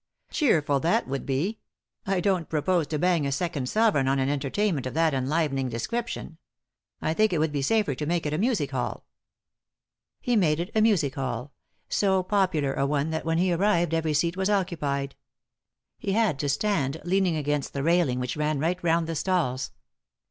Cheer* ful that would be ; I don't propose to bang a second sovereign on an entertainment of that enlivening description. I think it would be safer to make it a music ball." He made it a music hall — so popular a one that when he arrived every seat was occupied. He had to stand, leaning against the railing which ran right round the stalls.